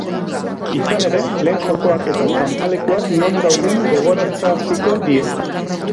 Izan ere, lehen jokoak eta kanpalekuak non dauden gogoraraziko die.